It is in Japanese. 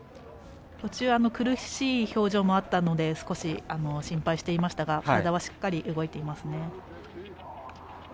途中苦しい表情もあったので少し心配していましたが体はしっかり動いています。